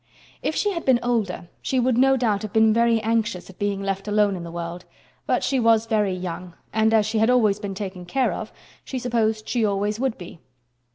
If she had been older she would no doubt have been very anxious at being left alone in the world, but she was very young, and as she had always been taken care of, she supposed she always would be.